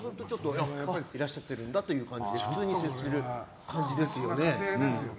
いらっしゃってるんだって感じで普通に接する感じですよね。